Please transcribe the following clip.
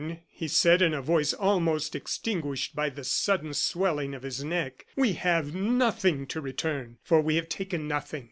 he said in a voice almost extinguished by the sudden swelling of his neck. "We have nothing to return, for we have taken nothing.